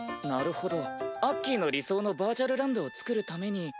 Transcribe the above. なるほどアッキーの理想のバーチャルランドを作るために。